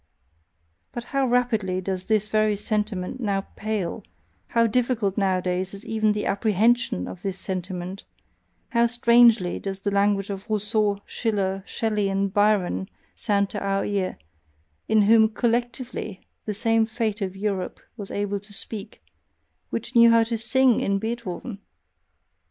But how rapidly does THIS very sentiment now pale, how difficult nowadays is even the APPREHENSION of this sentiment, how strangely does the language of Rousseau, Schiller, Shelley, and Byron sound to our ear, in whom COLLECTIVELY the same fate of Europe was able to SPEAK, which knew how to SING in Beethoven!